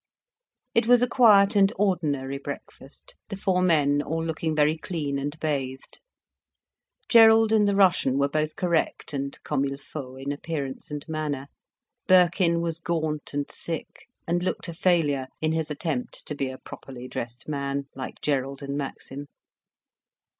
It was a quiet and ordinary breakfast, the four men all looking very clean and bathed. Gerald and the Russian were both correct and comme il faut in appearance and manner, Birkin was gaunt and sick, and looked a failure in his attempt to be a properly dressed man, like Gerald and Maxim.